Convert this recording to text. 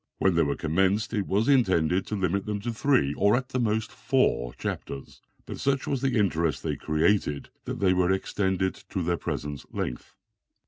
When they were commenced it was intended to limit them to three, or at the most four, chapters, but such was the interest they created, that they were extended to their present length.